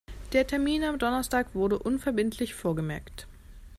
Der Termin am Donnerstag wurde unverbindlich vorgemerkt.